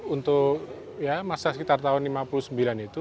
untuk masa sekitar tahun seribu sembilan ratus lima puluh sembilan itu